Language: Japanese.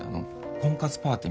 婚活パーティー？